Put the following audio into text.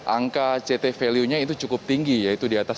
angka ct value nya itu cukup tinggi yaitu di atas tiga puluh lima